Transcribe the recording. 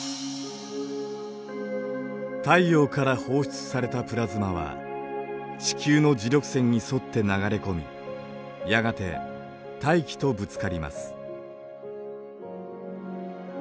太陽から放出されたプラズマは地球の磁力線に沿って流れ込みやがて大気とぶつかります。